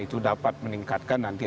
itu dapat meningkatkan nanti